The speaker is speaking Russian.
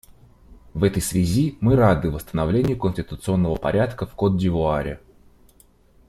В этой связи мы рады восстановлению конституционного порядка в Котд'Ивуаре.